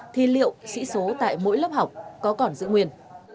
thì liệu sĩ số tại mỗi lớp học có còn giữ nguyên